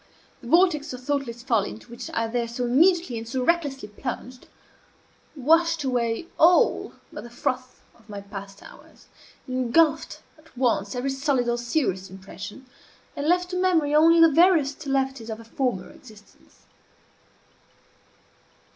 The vortex of thoughtless folly, into which I there so immediately and so recklessly plunged, washed away all but the froth of my past hours, engulfed at once every solid or serious impression, and left to memory only the veriest levities of a former existence.